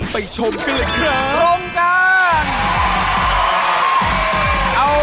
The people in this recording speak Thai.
ไปชมกันเลยครับ